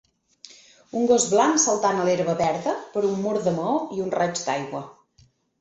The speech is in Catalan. un gos blanc saltant a l'herba verda per un mur de maó i un raig d'aigua